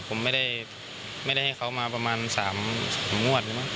ผมไม่ได้ให้เขามาประมาณ๓มวด